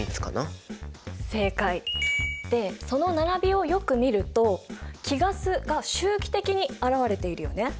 正解！でその並びをよく見ると貴ガスが周期的に現れているよね？